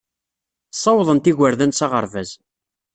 Ssawḍent igerdan s aɣerbaz.